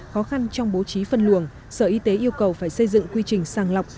khó khăn trong bố trí phân luồng sở y tế yêu cầu phải xây dựng quy trình sàng lọc